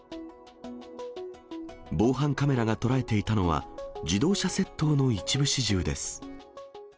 防犯カメラが捉えていたのは、自動車窃盗の一部始終です。